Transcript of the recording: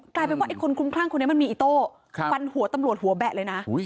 กลายเป็นว่าไอ้คนคลุมคลั่งคนนี้มันมีอิโต้ฟันหัวตำรวจหัวแบะเลยนะ